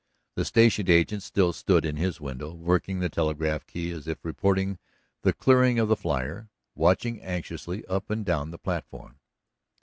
The station agent still stood in his window, working the telegraph key as if reporting the clearing of the flier, watching anxiously up and down the platform.